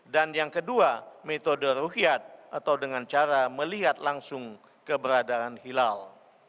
dan yang kedua metode ruhyat atau dengan cara melihat langsung keberadaan hilal